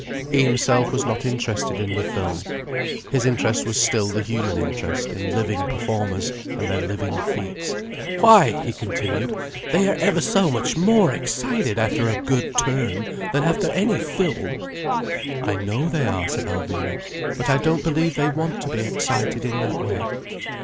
He himself was not interested in the film. His interest was still the human interest in living performers and their living feats. "Why," he continued, "they are ever so much more excited after a good turn, than after any film." "I know they are," said Alvina. "But I don't believe they want to be excited in that way."